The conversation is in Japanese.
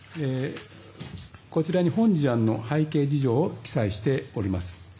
こちらに本事案の背景事情を記載しております。